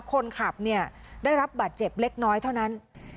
คนขับเนี่ยได้รับบาดเจ็บเล็กน้อยเท่านั้น